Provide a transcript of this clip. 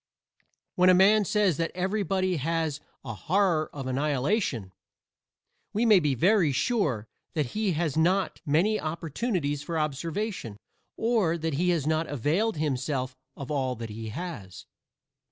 When a man says that everybody has "a horror of annihilation," we may be very sure that he has not many opportunities for observation, or that he has not availed himself of all that he has.